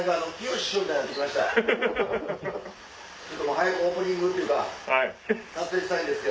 早くオープニングというか。